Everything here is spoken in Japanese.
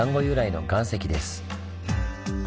由来の岩石です。